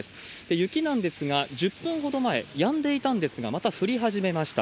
雪なんですが、１０分ほど前、やんでいたんですが、また降り始めました。